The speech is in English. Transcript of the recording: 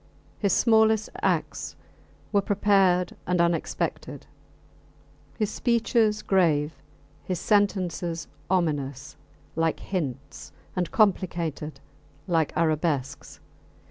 His smallest acts were prepared and unexpected, his speeches grave, his sentences ominous like hints and complicated like arabesques.